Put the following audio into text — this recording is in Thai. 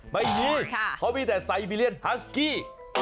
ไม่มีเขามีแต่ไซบีเรียนฮัสกี้